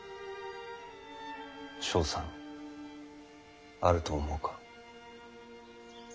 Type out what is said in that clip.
勝算あると思うか？